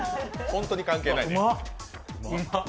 本当に関係ないね。